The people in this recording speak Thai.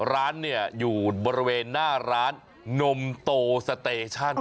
ร้านเนี่ยอยู่บริเวณหน้าร้านนมโตสเตชั่น